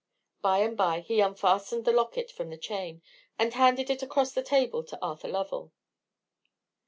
By and by he unfastened the locket from the chain, and handed it across the table to Arthur Lovell.